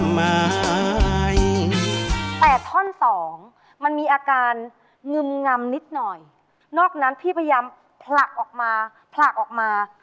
ไม่แต่ท่อนสองมันมีอาการงึมงำนิดหน่อยนอกนั้นพี่พยายามผลักออกมาผลักออกมา